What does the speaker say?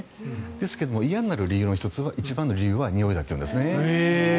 ですが、嫌になる一番の理由はにおいだというんですね。